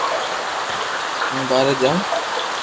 ھون ٻاري جاو